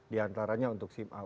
diantaranya untuk sim a